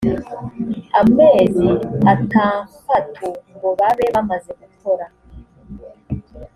amezi atanfatu ngo babe bamaze gukora